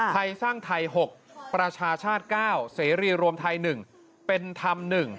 ไทยสร้างไทย๖ประชาชาติ๙เสรีรวมไทย๑เป็นธรรม๑